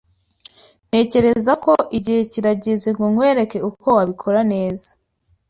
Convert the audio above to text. Ntekereza ko igihe kirageze ngo nkwereke uko wabikora neza.